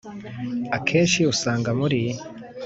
Akenshi usanga muri